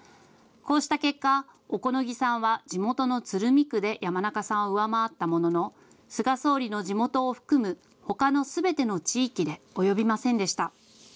こうした結果、小此木さんは地元の鶴見区で山中さんを上回ったものの菅総理の地元を含むほかのすべての地域で及びませんでした。